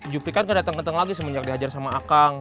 jupri kan gak dateng denteng lagi semenjak diajar sama akang